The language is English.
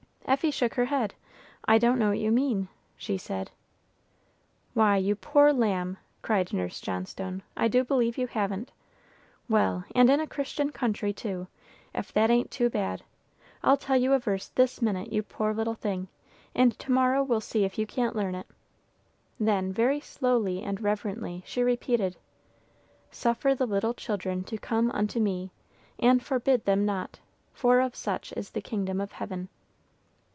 Effie shook her head. "I don't know what you mean," she said. "Why, you poor lamb," cried Nurse Johnstone, "I do believe you haven't! Well, and in a Christian country, too! If that ain't too bad. I'll tell you a verse this minute, you poor little thing, and to morrow we'll see if you can't learn it." Then, very slowly and reverently, she repeated, "Suffer the little children to come unto Me, and forbid them not, for of such is the kingdom of Heaven."